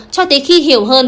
cho tới khi hiểu hơn